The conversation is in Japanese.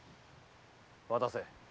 渡せ。